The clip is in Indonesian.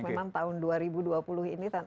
memang tahun dua ribu dua puluh ini